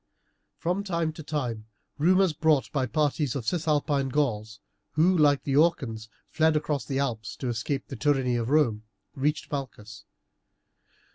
From time to time rumours, brought by parties of Cisalpine Gauls, who, like the Orcans, fled across the Alps to escape the tyranny of Rome, reached Malchus.